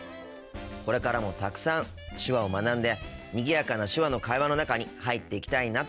これからもたくさん手話を学んでにぎやかな手話の会話の中に入っていきたいなと思っています。